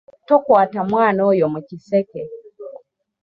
Tokwata mwana oyo mu kiseke.